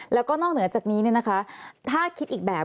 แล้วก็นอกเหนือจากนี้ถ้าคิดอีกแบบ